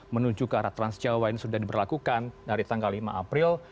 menuju ke arah transjawa ini sudah diberlakukan dari tanggal lima april